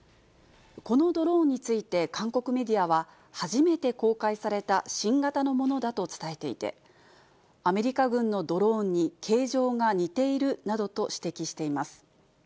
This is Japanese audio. このドローンについて韓国メディアは、初めて公開された新型のものだと伝えていて、アメリカ軍のドローンに形状が似ているなどと指摘しています。